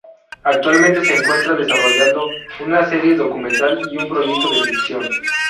Actualmente se encuentra desarrollando una serie documental y un proyecto de ficción.